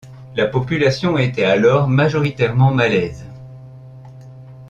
La population était alors majoritairement malaise.